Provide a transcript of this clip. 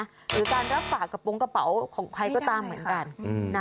หรือการรับฝากกระโปรงกระเป๋าของใครก็ตามเหมือนกัน